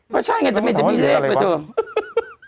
ไม่ใช่ไงแต่ไม่จะมีเลขไปดู